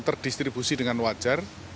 terdistribusi dengan wajar